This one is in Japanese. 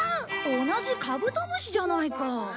同じカブトムシじゃないか。